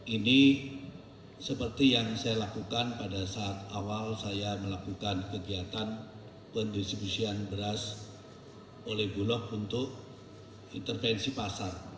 ini seperti yang saya lakukan pada saat awal saya melakukan kegiatan pendistribusian beras oleh bulog untuk intervensi pasar